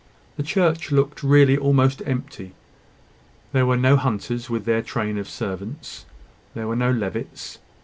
The church looked really almost empty. There were no Hunters, with their train of servants: there were no Levitts.